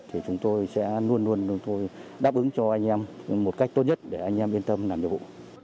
thì chúng tôi sẽ luôn luôn đồng tôi đáp ứng cho anh em một cách tốt nhất để anh em yên tâm làm nhiệm vụ